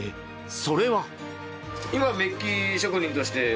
それは。